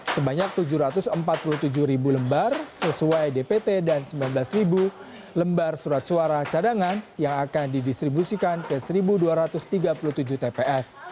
sebanyak tujuh ratus empat puluh tujuh ribu lembar sesuai dpt dan sembilan belas lembar surat suara cadangan yang akan didistribusikan ke satu dua ratus tiga puluh tujuh tps